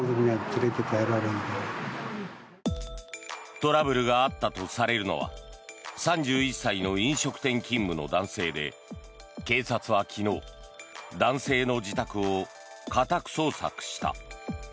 トラブルがあったとされるのは３１歳の飲食店勤務の男性で警察は昨日、男性の自宅を家宅捜索した。